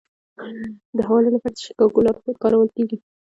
د حوالو لپاره د شیکاګو لارښود کارول کیږي.